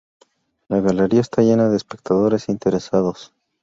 La galería estaba llena de espectadores interesados.